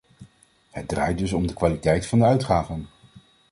Het draait dus om de kwaliteit van de uitgaven.